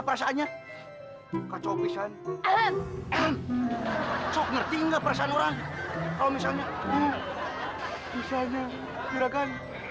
perasaannya kacau pisan eh eh ngerti nggak perasaan orang kalau misalnya misalnya juragan